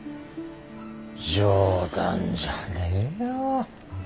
冗談じゃねえよ。